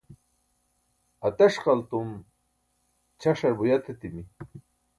ateṣqaltum, ćaṣar buyat etimi